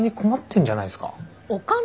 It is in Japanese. お金？